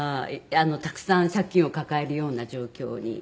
たくさん借金を抱えるような状況に。